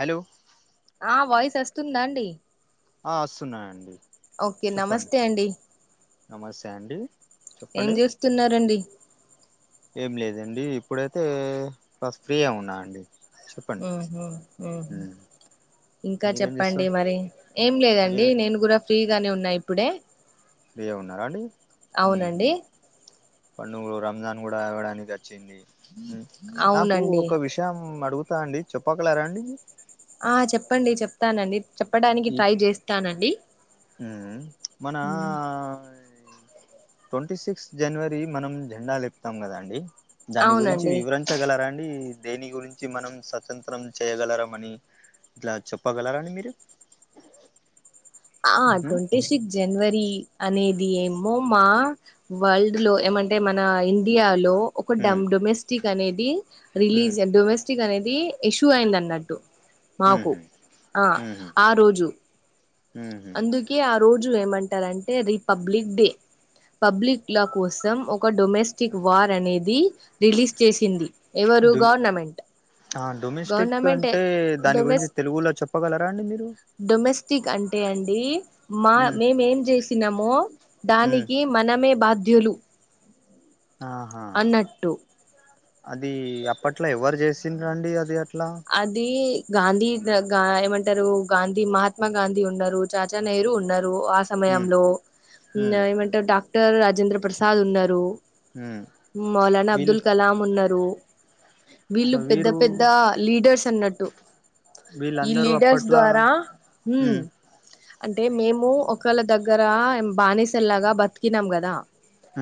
Hello ఆ voice వస్తుందా అండి ఆ వస్తున్నాయండి ఓకే నమస్తే అండి నమస్తే అండి ఏం చెప్పండి చేస్తున్నారండి ఏం లేదండి ఇప్పుడైతే ఆ ఫ్రీ ఏ ఉన్నా అండి చెప్పండి మ్మ్ హు మ్మ్ హు ఉమ్ ఇంకా మీరేం చెప్పండి చేస్తారు మరి ఏం లేదండి మీరు నేను కూడా ఫ్రీగానే ఉన్నా ఇప్పుడే రే ఉన్నారా అండి మ్మ్ హు అవునండి పండుగ రంజాన్ కూడా ఇవ్వడానికి వచ్చింది మ్మ్ నాకు అవునండి ఒక విషయం అడుగుత్ తాంది చెప్పక్కలేరా అండి ఆ చెప్పండి చెప్తానండి చెప్పడానికి ట్రై చేస్తానండి మ్మ్ మన ఈ ట్వంటీ సిక్స్త్ జనవరి మనం జెండా లేపుతాం కదా అండి దాని గురించి అవునండి వివరించగలరా అండి దేని గురించి మనం స్వతంత్రం చేయ్యగలర అని ఇట్లా చెప్పగలరాండి మీరు ఆ ఉమ్ టట్వంట సిస్ జనవరి అనే ఇది ఏమో మా వరల్డ్ లో ఏమంటే మన ఇండియాలో ఒక డ ఉమ్ డొమెస్టిక్ అనేది రిలీజియన్ డొమెస్టిక్ క్ అనేది ఇష్యూ అయింది అన్నట్టు ఉమ్ మాకు ఉహు ఆ ఉహు ఆ రోజు ఉహు అందుకే ఆ రోజు ఏమంటారంటే రిపబ్లిక్ డే పబ్లిక్ లా కోసం ఒక డొమెస్టిక్ వార్ అనేది రిలీజ్ చేసింది ఎవరు డొ గవర్నమెంట్ ఆ డొమెస్టిక్ గవర్నమెంట్ అంటే దాని గురించి డొమెస్ తెలుగులో చెప్పగలరా అండి మీరు క్ అంటే అండి మా ఉమ్ మేముేం చేసినామో ఉమ్ దానికి మనమే బాధ వ వెలు ఆహా అది అప్పట్లో ఎవరు చేసిినండి అది అట్లా అది గాంధీగాంట రు గాంధీ మహాత్మా గాంధీ ఉన్నారు చాచా నెహరు ఉన్నారు ఆ ఉమ్ సమయంలో ఉమ్ ఏమంటే డాక్టర్ రాజేంద్ర ప్రసాద్ ఉన్నారు ఉమ్ మలానా వీళ్ అబ్దుల్ కలాం ఉన్నారు వీళ్ళు పెద్ద వీరు పెద్ద లీడర్స్ అన్నట్టు ఈ వీళ్ళందరూ లీడర్స్ అప్పట్లా ద్వారా ఉమ్ అంటే మేము ఒకళ్ళ దగ్గర బానిసలలాగా బతికినాం కదా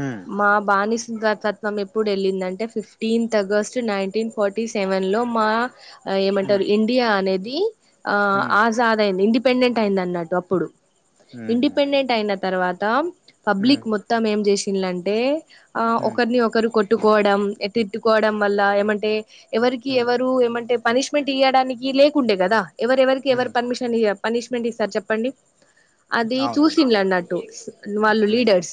ఉమ్ మా బానిస్ తత్వం ఎప్పుడు వెళ్ళిందింటే ఫిఫ్టీన్త్ ఆగస్టు నైన్టీన్ ఫార్టీ సెవెన్లో మా ఏమంటారు ఇండియా అనేది ఆ అవునండి ఆజాద్ అయింది ఇండిపెండెంట్ అయింది అన్నట్టు అప్పుడు ఇండిపెండెంట్ అయిన తర్వాత పబ్లిక్ మొత్తం ఏం చేసింటే ఆ ఒకరిని ఒకరు కొట్టుకోవడం తిట్టుకోవడం వల్ల ఏమంటే ఎవరికి ఎవరు ఏమంటే పనిష్మెంట్ ఇవ్వడానికి లేకుండే కదా ఎవరెవరికి ఎవరు పర్మిషన్ పనిష్మెంట్ ఇస్తారు చెప్పండి అది చూసింలు అన్నట్టు వాళ్ళు ఉమ్, లీడర్స్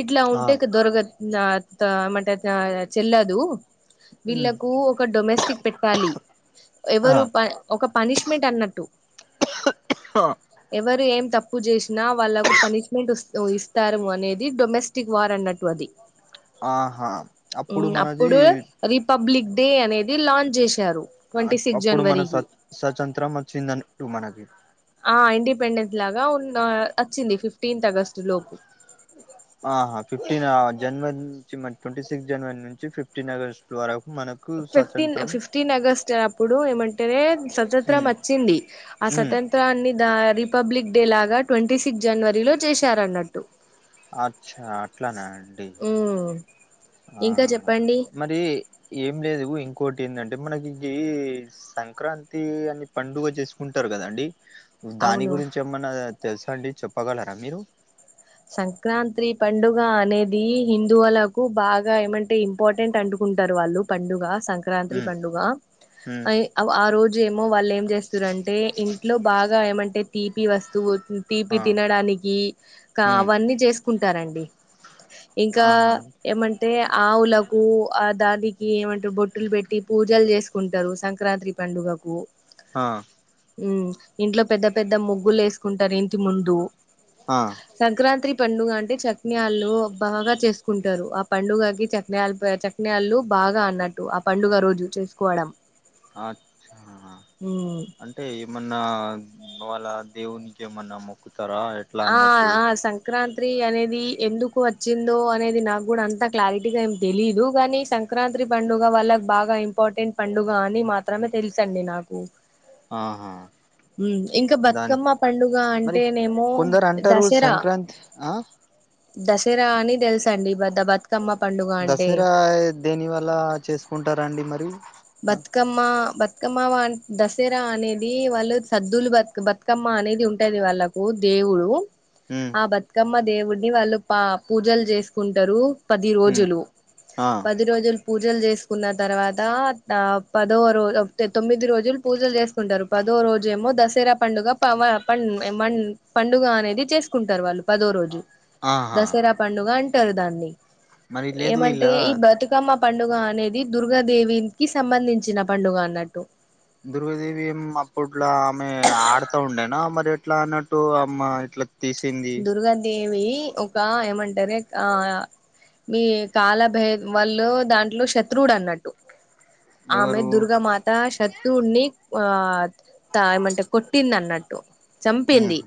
ఇట్లా ఆ ఉంటే దొరగ నామంటే చెల్లదు ఉమ్, వీళ్ళలకు ఒక డొమెస్టిక్ పెట్ట పేటలో ఆ ఎవరు ఒక పనిష్మెంట్ అన్నట్టు హా, ఎవరు ఏం తప్పు చేసినా వాళ్ళలకు పనిష్మెంట్ ఇస్తారు అనేది డొమెస్టిక్ వార్ అన్నట్టు అది ఆహా మనది అప్పుడు రిపబ్లిక్ డే అనేది లాంచ్ చేశారు ట్వంటీ సిక్స్ అప్పుడు జనవరికి స్వతంత్రం వచ్చిందట్టు మనకి ఆ ఇండిపెండెంట్ లాగా ఉ వచ్చింది ఫిఫ్టీన్త్ అగస్టు లోపు ఆహా ఫిఫ్టీన్ జనవరి నుంచి మ ట్వంటీ సిక్స్ జనవరి నుంచి ఫిఫ్టీన్ ఆగస్ట్ వరకు మనకు ఫిఫ్టీన్ స్వాతంత్రం ఫిఫ్టీన్ అగస్ట్ అప్పుడు ఏమంటే స్వతంత్రం వచ్చింది ఆ స్వతంత్రాన్ని దారి రిపబ్లిక్ డే లాగా ట్వంటీ సిక్స్ జనవరిలో చేశారన్నట్టు అచ్చా అట్లానే అండి ఉమ్ ఆ ఇంకా చెప్పండి మరి ఏం లేదు ఇంకా ఇంకోటి ఏంటంటే మనకి సంక్రాంతి అని పండుగ చేసుకుంటారు కదండి దాని అవును గురించి ఏమన్నా తెలుసా అండి చెప్పగలరాా మీరు సంక్రాంతి పండుగ అనేది హిందువులకు బాగా ఏమంటే ఇంపార్టెంట్ అంటకుంట ఆన్టారు వాళ్ళు పండుగ సంక్రాంతి ఉమ్ పండుగ ఉమ్ అ ఆ రోజు ఏమో వాళ్ళు ఏం చేస్తుారంటే ఇంట్లో బాగా ఏమంటే తీపి వస్తువు తీపి ఆ తినడానికి కా ఉమ్ అవన్నీ చేసుకుంటారంండి ఇంకా ఆహా ఏమంటే అంటే ఆవులకు ఆ దాకి ఏమంటారు బొట్టులు పెట్టి పూజలు చేసుకుంటారు సంక్రాంతి ప పండుగకు హ ఉ ఇంట్లో పెద్ద పెద్ద ముగ్గులు వేసుకుంటారు ఇంటి ముందు ఆ సంక్రాంత్రి పండుగ అంటే చటిన్యలు బాగా చేస్త చసుకుంటారు ఆ పండుగకి చనే చక్నేయాళ్లు బాగా అన్నట్టు ఆ పండుగ రోజు చేసుకోవడం అచ్చా ఉమ్ అంటే ఏమన్నా వాళ్ళ దేవునికి ఏమన్నా మ్మొకు ఆ ఆ సంక్రాంత్రి అనేది ఎందుకు వచ్చిందో అనేది నాకు కూడా అంత క్లారిటీగా ఏం తెలీదు గానీ సంక్రాంత్రి పండుగ వాల్ల బాగా ఇంపార్టెంట్ పండుగ అని మాత్రమే తెలుసండి నాకు ఆహా ఇంకా దాని బతుకమ్మ పండుగ మరి అంటేనేమో కొందరు అంటారు దసరా సంక్రాంతి ఆ దసరా అని తెలుస అండి పెద్ద బతు దసరా దేని వల్ల చేసుకుంటారండి మరి బతుకమ్మ బ బతుకమ్మ దసరా అనేది వాళ్ళు సద్దులు బతుకు బతుకమ్మ అనేది ఉంటది వాళ్ళకు దే దేవుడు ఉమ్ ఆ బతుకమ్మ దేవుడిని వాళ్ళు పా పూజలు చేసుకుంటారు పది ఉమ్ రోజులు ఆ పది రోజులు పూజలు చేసుకున్న తర్వాత ఆ పదో రోజు తొమ్మిది రోజులు పూజలు చేసుకుంటారు పదో రోజు ఏమో దసరా పండుగ పవన్ పం మం పండుగ అనేది చేసుకుంటారు వాళ్ళు పదో రోజు ఆహా దసరా పండుగ అంటారు దాన్ని మరి లేదు ఏమంటే ఇలా ఈ బతుకమ్మ పండుగ అనేది దుర్గాదేవి కి సంబంధించిన పండుగ అన్నట్టు దుర్గదేవి అప్పట్లా ఆమె ఆడతా ఉండేనా మరి ఎట్లా అన్నట్టు అమ్మ ఇట్లా తీసింది వి ఒక ఏమంటార ఆ మీ కాలభే వాళ్ళు దాంట్లో శత్రువుడు అన్నట్టు ఆమె ఎవరు దుర్గా మాత శ దూణి ఆ ఏమంటే కొట్టింది అన్నట్టు ఉమ్ చంపింది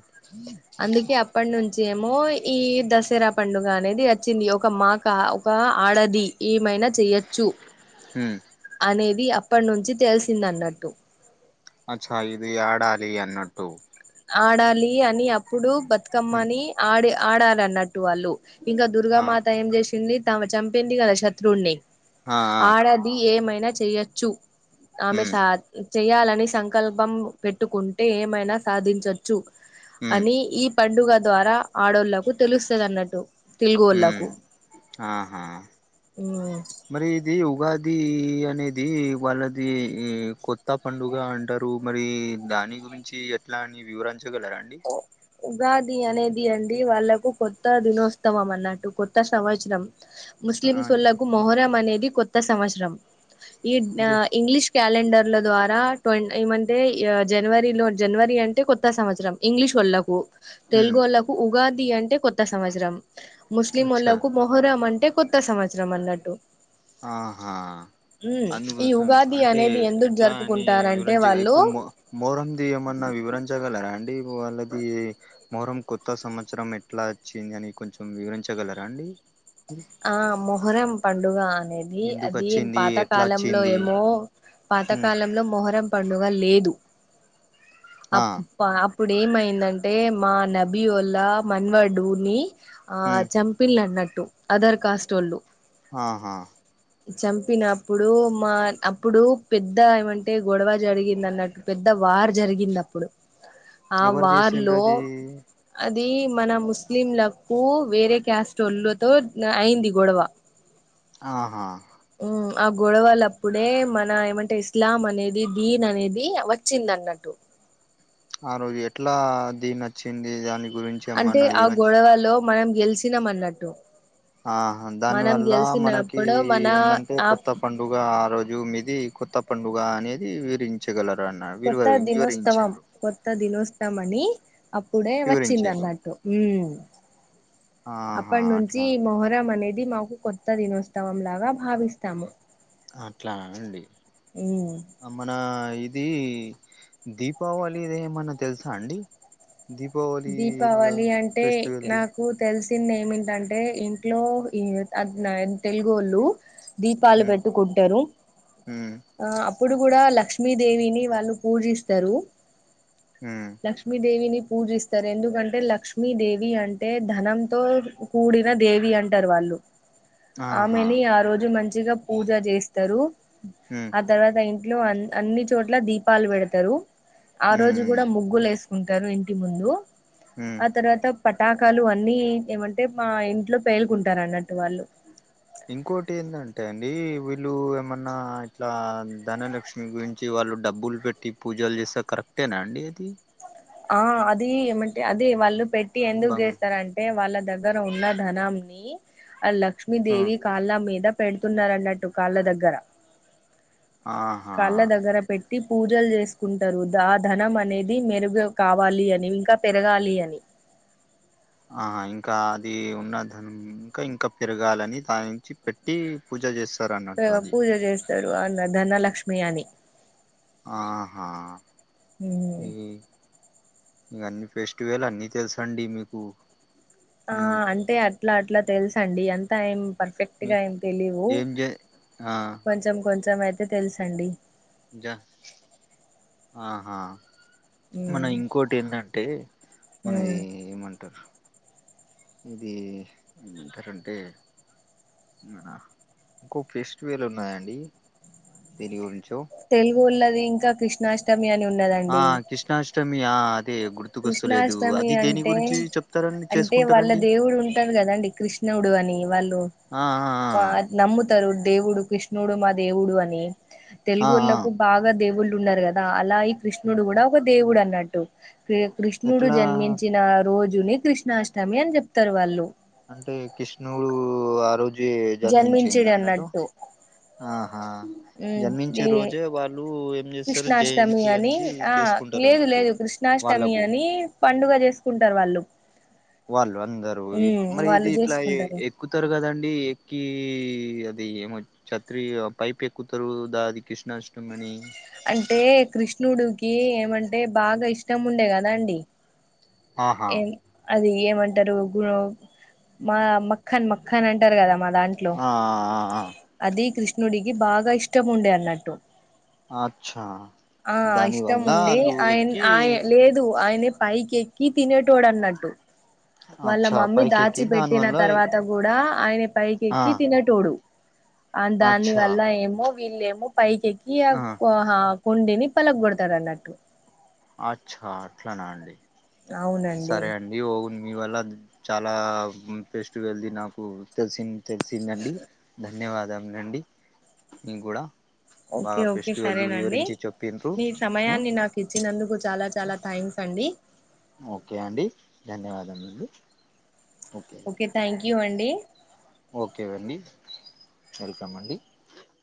అందుకే అప్పటి నుంచి ఏమో ఈ దసరా పండుగ అనేది వచ్చింది ఒక మాక ఒక ఆడది ఏమైనా చేయొచ్చు హ్మ్మ్ అనేది అప్పటినుంచి తెలిసిందన్నట్టు అచ్చా ఇది ఆడాలి అన్నట్టు ఆడాలి అని అప్పుడు ఉమ్ బతుకమ్మని ఆడ ఆడాలిన్నట్టు వాళ్ళు ఇంకా ఆ దుర్గామాత ఏం చేసింది తామ చంపింది కదా శత్రువుల్ని ఆ ఆ ఆడది ఏమైనా చెయ్యొచ్చు ఆమె ఉమ్ సా చెయాలని సంకల్పం పెట్టుకుంటే ఏమైనా సాధించచ్చు ఉమ్ అని ఈ పండుగ ద్వారా ఆడోళ్ళలకు తెలుస్తుందిన్నట్టు ఉమ్ ఆహా మరి ఇది ఉగాది అనేది వాళ్ళది కొత్త పండుగ అంటారు మరి దాని గురించి ఎట్లా అని వివరంచగలరా అండి ఉగాది అనేది అండి వాళ్ళలకు కొత్త దినోత్సవం అన్నట్టు కొత్త సంవత్సరం ముస్లిం ఆ సళ్లకు మొహరం అనేది కొత్త సంవత్సరం ఈ అదే ఇంగ్లీష్ క్యాలెం టండర్ల ద్వారా ఏమంటే జనవరిలో జనవరి అంటే కొత్త సంవత్సరం ఇంగ్లీష్ వాళ్ళకు తెలుగు ఉమ్ వాళ్ళకు ఉగాది అంటే కొత్త సంవత్సరం అచ్చా ముస్లింళ్లకు మొహరం అంటే కొత్త సంవత్సరం అన్నట్టు ఆహా ఈ అందుకోసం ఉగాది అంటే అనేది ఎందుకు ఎట్లా అని జరుపుకుంటారంటే వివరంచ వాళ్ళు ఇప్పుడు మో మోహరం ది ఏమన్నా వివరం జగలరాా అండి వాళ్ళది మొహరం కొత్త సంవత్సరం ఎట్లా వచ్చింది అని కొంచెం వివరించగలరా అండి ఆ మొహరం పడుగ అనేది ఎందుకు అది అది వచ్చింది ఎట్లా పాతకాలంలో వచ్చింది ఏమో ఉమ్ పాతకాలంలో మొహరం పండుగ లే ఆ ఇప్పుడు ఏమైందంటే మా నబీ ఒల్లా మన్వడుూని ఆ ఉమ్ చంపిలు అన్నట్టు అదర్ కాస్ట్ోళ్ళు ఆాహా చంపినప్పుడు మా అప్పుడు పెద్ద ఏమంటే గొడవ జరిగింది అన్నట్టు పెద్ద వార్ జరిగింది అప్పుడు ఆ ఎవరు వార్ చేసిండ్రు లో అది అ ఇది మన ముస్లింలకు వేరే క్యాస్ట్తో అయింది గొడవ ఆహా ఉ ఆ గొడవల అప్పుడే మన ఏమంటే ఇస్లాం అనేది దీన్ అనేది వచ్చింది నన్నట్టు ఆ రోజు ఎట్లా దీన్ని నచ్చింది దానికి అంటే ఆ గొడవలో మనం గెలిచినాం అన్నట్టు ఆ దాని మనం వల్ల మనకి గెలిచినప్పుడు మన ఏంటంటే ఆ కొత్త పండుగ ఆ రోజు మీ ఇది కొత్త పండుగ అనేది విరించగలరు కొత్త దినోత్సవం కొత్త దినోత్సవాని అప్పుడే వచ్చింది వివరించిండ్రు అన్నట్టు ఆహా అప్పటి నుంచి అట్లా మొహరం అనేది మాకు కొత్త దినోత్సవం లాగా భావిస్తాము అట్లానేనండి ఉమ్ మన ఇ ఇది దీపావళిద ఏమన్నా తెలుసా అండి దీపావళిలా దీపావళి అంటే ఫెస్టివల్ది నాకు తెలుసు తిన్న ఏమింటంటే ఇంట్లో ఈ అ తెలుగుళ్ళు దీపాలు ఉమ్ పెట్టుకుంటారు ఉమ్ ఆ ఇప్పుడు కూడా లక్ష్మీదేవిని వాళ్ళు పూజిస్తారు ఉమ్ లక్ష్మీదేవిని పూజిస్తారు ఎందుకంటే లక్ష్మీదేవి అంటే ధనంతో కూడిన దేవి అంటారు వాళ్ళు ఆహా ఆమెని ఆ రోజు మంచిగా పూజ చేస్తారు ఉమ్ ఆ తర్వాత ఇ ఇ అన్ని చోట్ల దీపాలు పెడతారు ఆ రోజు కూడా ఉమ్ ముగ్గులు వ ంటారు ఇంటి ముందు ఉమ్ ఆ తర్వాత పటాకాలు అన్నీ ఏమంటే మా ఇంట్లో పేలుకుంటారు అన్నట్టు వాళ్ళు ఇంకోటి ఏంటంటే అండి వీళ్ళు ఏమన్నా ఇట్లా ధనలక్ష్మి గురించి వాళ్ళు డబ్బులు పెట్టి పూజలు చేస్తే కరెక్టేనా అండి అది ఆ అదిమంటే అది వాళ్ళు పెట్టి ఎందుకు బంగ్ చేస్తారంటే వాళ్ళ దగ్గర ఉన్న ధనంని ఆ ఆ, లక్ష్మీదేవి కాళ్ళ మీద పెడుతున్నారన్నట్టు కాళ్ళ దగ్గర ఆహా టి పూజలు చేసుకుంటారు ఆ ధనం అనేది మెరుగ కావాలి అని ఇంకా పెరగాలి అని ఆ ఇంకా అది ఉన్న నం ఇంకా ఇంకా పెరగాలని దాని నుంచి పెట్టి పూజ చేస్త ఆ పూజ చేస్తారు అన్న ధనలక్ష్మి అని ఆహా హ ఈ ఇక అన్నిీ ఫెస్టివెల్ అన్నిీ తెలుస అండి మీకు ఆ ఉమ్, అంటే అట్లా అట్లా తెలుసండి ఎంతా ఏం మీ పర్ఫెక్ట్గా ఏం తెలీవు ఏం చే ఆ కొంచెం కొంచెం అయితే తెలుసండి జా ఆహా మన ఇంకోటి ఏంటంటే మనది ఏమంటారు ఇది ఏమంటారంటే నా ఇంకో ఫెస్టివల్ ఉన్నాయండి దినిగురించి తెలుగులది ఇంకా కృష్ణాష్టమి అని ఉన్నదండి అష్టమియా కృష్ణాష్టమి అంటే చెప్తారండి అంటే వాళ్ళ చేసుకుంటారండి దేవుడు ఉంటారు కదండి కృష్ణ దేవుడు అని వాళ్ళు ఆ ఆ నమ్ముతారు దేవుడు కృష్ణుడు మా దేవుడు అని ఆ ఆ తెలుగుళ్ళలకు బాగా దేవుళ్ళు ఉంటున్నారు కదా అలా ఈ కృష్ణుడు కూడా ఒక దేవుడు అన్నట్టు కృష్ణుడు ఎట్లా జన్మించిన రోజుని కృష్ణాష్టమి అని చెప్తారు వాళ్ళు అంటే కృష్ణుడు ఆ రోజు జన్మించింది జన్మించడు అన్నడు అన్నట్టు ఆహా జన్మించే రోజే వాళ్ళు చేస్తారు కృష్ణాష్టమి జయంతి అని అనేది ఆ చేసుకుంటారు లేదు అన్నట్టు లేదు కృష్ణాష్టమి వాళ్ళకు అని పండుగ చేసుకుంటారు కుంటారు వాళ్ళు వాళ్ళు అందరు మరి ఇది వాళ్ళు ఇట్లా చేసుకుంటారు ఎక్కుతారు కదండి కి అది ఏమో ఛత్రి పైప్ ఎక్కుతారు దా అది కృష్ణాష్టమని అంటే కృష్ణుడికి ఏమంటే బాగా ఇష్టం ఉండే కదా అండి ఆహా ఏం అది ఏమంటారు గు మా మక్కన్ మక్కన్ అంటారు కదా మన దాంట్లో ఆ ఆ, ఆ. అది కృష్ణుడికి బాగా ఇష్టం ఉండే అన్నట్టు అచ్చా ఆ దాని ఇష్టం వల్ల ఉండి ఆళ్ళు ఆయన ఎక్కి ఆయ లేదు ఆయనే పైకి ఎక్కి తినేటోడు అన్నట్టు వాళ్ళ అచ్చా మమ్మీ పైకి ఎక్కి దాచి దాని పెట్టిన వల్ల తర్వాత కూడా ఆయన ఆ పైకెక్కి తినేటోడు అ దాని అచ్చా వల్ల ఏమో వీళ్ళేమో పైకెక్కి ఆ కుండిని పలగ కొడతారు అన్నట్టు అచ్చా అట్లానా అండి అవునండి సరే అండి ఓగున్ మీ వల్ల చాలా బెస్ట్ వెళ్ది నాకు తెలిసి తెలిసిందండి ధన్యవా ధన్యవాదాలు అండి నేను కూడా ఓకే బాగా ఓకే ఫెస్టివల్ది సరేనండి వివరించి చెప్పిండ్రు మీ సమయాన్ని నాకు ఇచ్చినందుకు చాలా చాలా థ్యాంక్స్ అండి ఓకే అండి ధన్యవాదములు ఓకే థ్యాంక్ యూ అండి ఓకే వెండి వెల్కమ్ అండి